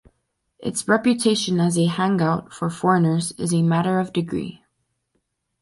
Its reputation as a hangout for foreigners is a matter of degree.